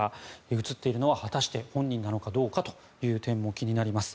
映っているのは果たして本人なのかどうかという点も気になります。